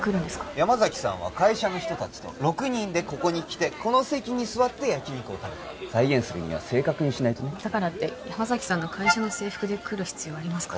山崎さんは会社の人達と６人でここに来てこの席に座って焼き肉を食べた再現するには正確にしないとねだからって山崎さんの会社の制服で来る必要ありますか？